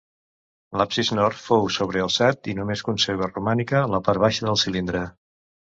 L'absis nord fou sobrealçat i només conserva romànica la part baixa del cilindre.